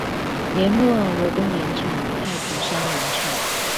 聯絡羅東林場與太平山林場